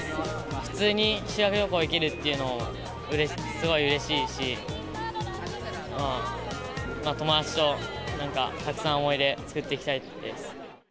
普通に修学旅行行けるっていうのもすごいうれしいし、友達となんか、たくさん思い出作っていきたいです。